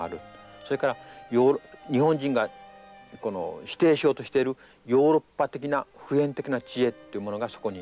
それから日本人が否定しようとしているヨーロッパ的な普遍的な知恵ってものがそこに描かれてる。